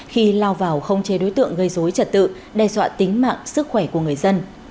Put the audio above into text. khi lao vào khống chế đối tượng gây dối trật tự đe dọa tính mạng sức khỏe của người dân